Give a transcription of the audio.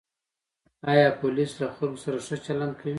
آیا پولیس له خلکو سره ښه چلند کوي؟